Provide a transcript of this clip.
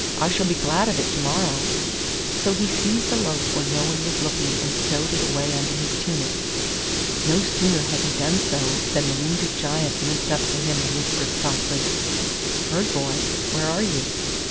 I shall be glad of it to morrow.' So he seized a loaf when no one was looking and stowed it away under his tunic. No sooner had he done so than the wounded Giant limped up to him and whispered softly, 'Herd boy, where are you?